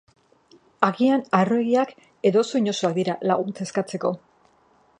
Agian harroegiak edo oso inozoak dira laguntza eskatzeko.